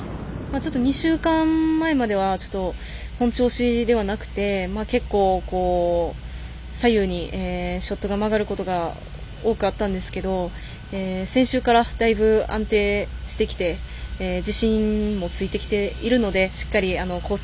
ちょっと２週間前までは本調子ではなくて結構、左右にショットが曲がることが多くあったんですけど先週からだいぶ安定してきて自信もついてきているのでしっかりコース